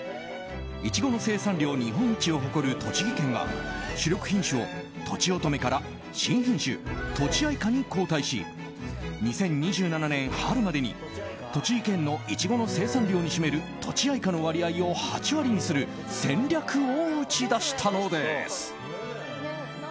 イチゴの生産量日本一を誇る栃木県が主力品種を、とちおとめから新品種とちあいかに交代し２０２７年春までに栃木県のイチゴの生産量に占めるとちあいかの割合を８割にする戦略を打ち出したのです。